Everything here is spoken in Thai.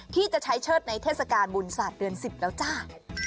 ที่จะใช้เชิดในเทศกาลบุญศาสตร์เดือน๑๐แล้วจ้า